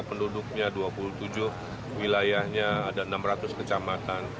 penduduknya dua puluh tujuh wilayahnya ada enam ratus kecamatan